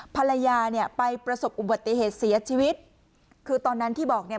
ภรรยาเนี่ยไปประสบอุบัติเหตุเสียชีวิตคือตอนนั้นที่บอกเนี่ย